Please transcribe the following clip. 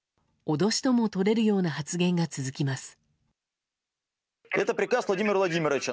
脅しともとれるような発言が続きます。